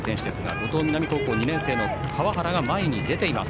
五島南高校２年生の川原が出ています。